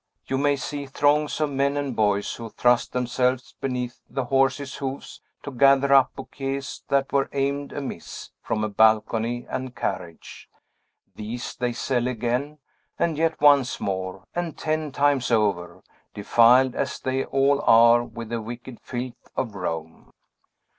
You may see throngs of men and boys who thrust themselves beneath the horses' hoofs to gather up bouquets that were aimed amiss from balcony and carriage; these they sell again, and yet once more, and ten times over, defiled as they all are with the wicked filth of Rome.